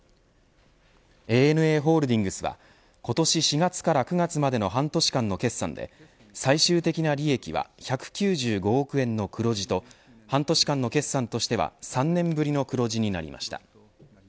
ＡＮＡホールディングスは今年４月から９月までの半年間の決算で最終的な利益は１９５億円の黒字と半年間の決算としては３年ぶりの黒字になりました。